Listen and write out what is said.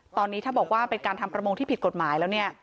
ตอนนี้ถ้าบอกว่าเป็นการทำประมงที่ผิดกฎหมายแล้วเนี่ย